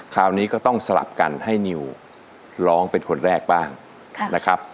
คราวนี้ก็ต้องสลับกันให้นิวร้องเป็นคนแรกบ้างนะครับ